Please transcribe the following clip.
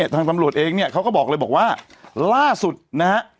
ทางตำรวจเองเขาบอกเลยว่าล่าสุดนะฮะ